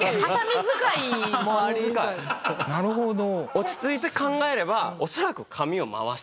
落ち着いて考えればね。